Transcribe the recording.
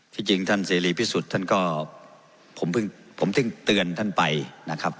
จริงท่านเสรีพิสุทธิ์ท่านก็ผมเพิ่งผมเพิ่งเตือนท่านไปนะครับ